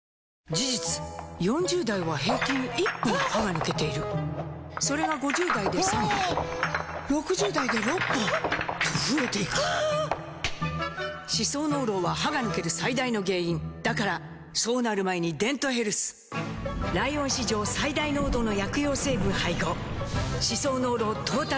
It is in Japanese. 事実４０代は平均１本歯が抜けているそれが５０代で３本６０代で６本と増えていく歯槽膿漏は歯が抜ける最大の原因だからそうなる前に「デントヘルス」ライオン史上最大濃度の薬用成分配合歯槽膿漏トータルケア！